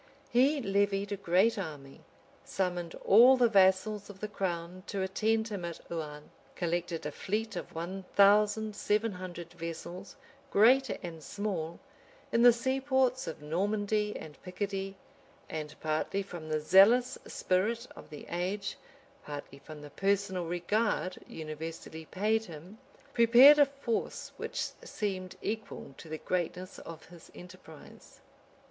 He levied a great army; summoned all the vassals of the crown to attend him at Rouen; collected a fleet of one thousand seven hundred vessels, great and small, in the seaports of Normandy and Picardy; and partly from the zealous spirit of the age, partly from the personal regard universally paid him, prepared a force which seemed equal to the greatness of his enterprise.